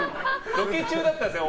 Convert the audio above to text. ロケ中だったんですよね